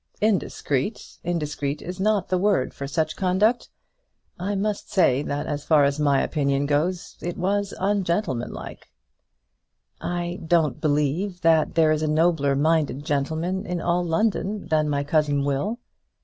"Indiscreet! Indiscreet is not the word for such conduct. I must say, that as far as my opinion goes, it was ungentlemanlike." "I don't believe that there is a nobler minded gentleman in all London than my cousin Will."